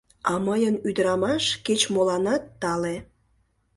А мыйын ӱдырамаш кеч-моланат тале.